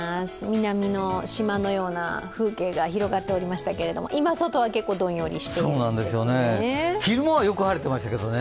南の島のような風景が広がっておりましたけれども、今、外は結構、どんよりしていますね。